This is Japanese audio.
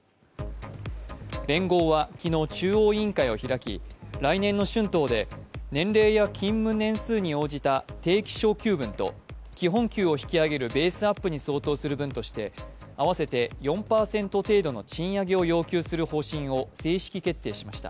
連合は昨日、中央委員会を開き来年の春闘で年齢や勤務年数に応じた定期昇給分と基本給を引き上げるベースアップに相当する分として合わせて４％程度の賃上げを要求する方針を正式決定しました。